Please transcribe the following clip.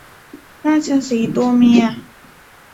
ราชสีห์ตัวเมีย